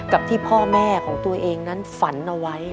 กับที่พ่อแม่ของตัวเองนั้นฝันเอาไว้